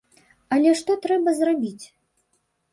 Але што трэба зрабіць?